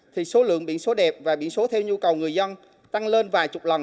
thì số lượng biển số đẹp và biển số theo nhu cầu người dân tăng lên vài chục lần